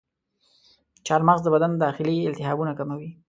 چارمغز د بدن داخلي التهابونه کموي.